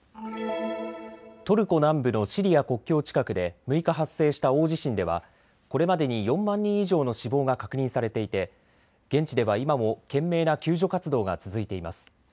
トルコ南部のシリア国境近くで６日、発生した大地震ではこれまでに４万人以上の死亡が確認されていて現地では今も懸命な救助活動が続いています。